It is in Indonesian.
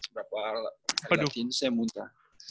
berapa kali latihan itu saya muntah